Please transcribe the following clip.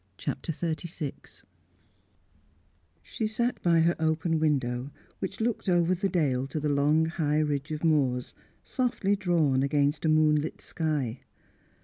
CHAPTER XXXVI She sat by her open window, which looked over the dale to the long high ridge of moors, softly drawn against a moonlit sky.